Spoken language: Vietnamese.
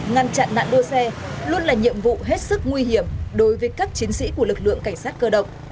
ngăn chặn nạn đua xe luôn là nhiệm vụ hết sức nguy hiểm đối với các chiến sĩ của lực lượng cảnh sát cơ động